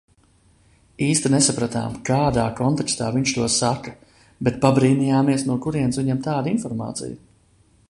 Īsti nesapratām, kādā kontekstā viņš to saka, bet pabrīnījāmies, no kurienes viņam tāda informācija.